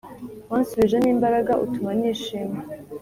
wansubije mo imbaraga utuma nishima